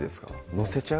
載せちゃう？